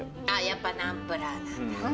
あっやっぱナンプラーなんだ。